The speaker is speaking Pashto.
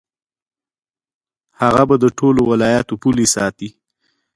هغه به د ټولو ولایاتو پولې ساتي.